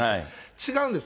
違うんです。